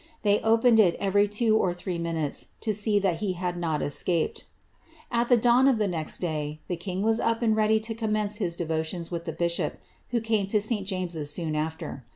They opened it every two or Btes, to see that he had not escaped. dawn of the next day, the king was up and ready to commence ons with the bishop, who came to St. Jameses soon after.